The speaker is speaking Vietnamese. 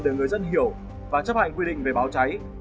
để người dân hiểu và chấp hành quy định về báo cháy